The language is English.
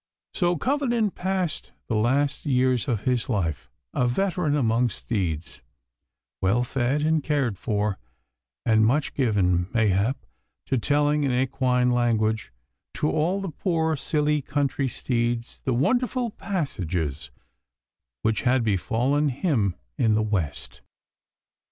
So Covenant passed the last years of his life, a veteran among steeds, well fed and cared for, and much given, mayhap, to telling in equine language to all the poor, silly country steeds the wonderful passages which had befallen him in the West.